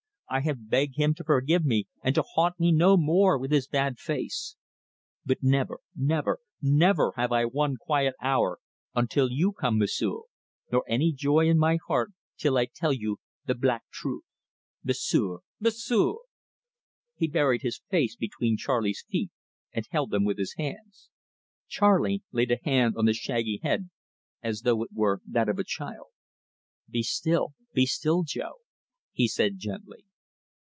I have beg him to forgive me and to haunt me no more with his bad face. But never never never have I one quiet hour until you come, M'sieu'; nor any joy in my heart till I tell you the black truth M'sieu'! M'sieu!" He buried his face between Charley's feet, and held them with his hands. Charley laid a hand on the shaggy head as though it were that of a child. "Be still be still, Jo," he said gently.